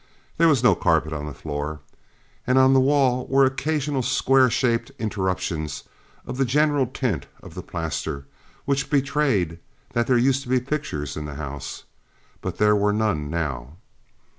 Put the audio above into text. There was no carpet on the floor; on the wall were occasional square shaped interruptions of the general tint of the plaster which betrayed that there used to be pictures in the house but there were none now.